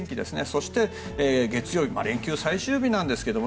そして、月曜日連休最終日なんですけれど